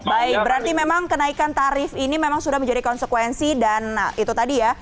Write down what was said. baik berarti memang kenaikan tarif ini memang sudah menjadi konsekuensi dan itu tadi ya